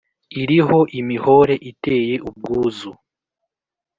Iriho imihore iteye ubwuzu: